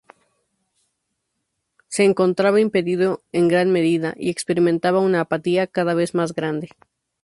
Se encontraba impedido en gran medida, y experimentaba una apatía cada vez más grande.